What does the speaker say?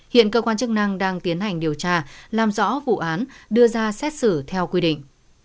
hiện cơ quan chức năng đang tiến hành điều tra làm rõ vụ án đưa ra xét xử theo quy định